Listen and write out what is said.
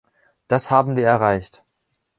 Das haben wir erreicht.